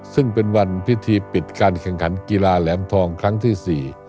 ซึ่งเป็นวันพิธีปิดการแข่งขันกีฬาแหลมทองครั้งที่๔